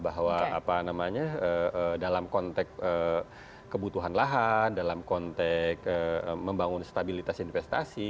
bahwa apa namanya dalam konteks kebutuhan lahan dalam konteks membangun stabilitas investasi